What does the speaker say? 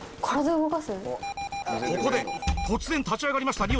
ここで突然立ち上がりましたりお選手。